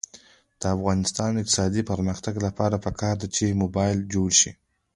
د افغانستان د اقتصادي پرمختګ لپاره پکار ده چې موبلایل جوړ شي.